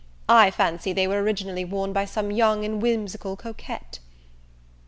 I fancy they were originally worn by some young and whimsical coquette."